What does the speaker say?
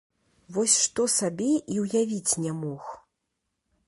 Вось што сабе і ўявіць не мог.